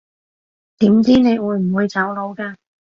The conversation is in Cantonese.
點知你會唔會走佬㗎